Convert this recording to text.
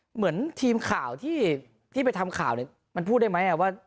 เหมือนทีมข่าวที่ไปทำข่าวเนี่ยมันพูดได้ไหมว่า